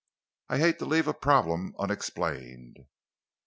I hate to leave a problem unexplained."